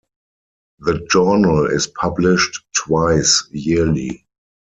The journal is published twice yearly.